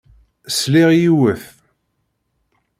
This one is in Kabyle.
Sliɣ yiwet.